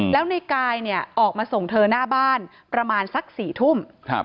แล้วในกายเนี่ยออกมาส่งเธอหน้าบ้านประมาณสัก๔ทุ่ม